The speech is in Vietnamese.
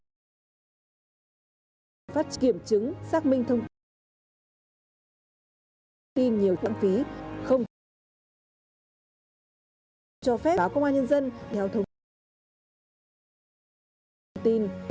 có thể tập trung thực hiện tốt các nhiệm vụ giải pháp trọng tâm pháp luật của nhà nước về đảm bảo an ninh trả tự